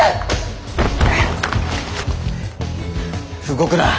動くな。